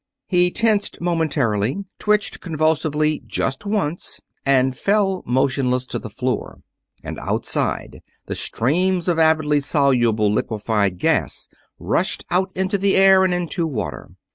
He tensed momentarily, twitched convulsively just once, and fell motionless to the floor. And outside, the streams of avidly soluble liquefied gas rushed out into air and into water.